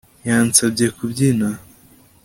Yansabye kubyina